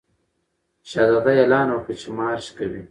شهزاده اعلان وکړ چې مارش کوي.